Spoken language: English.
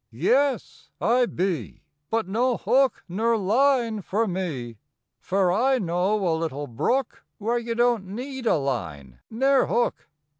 Yes, I be, But no hook ner line fer me, Fer I know a little brook Where ye don t need a line ner hook.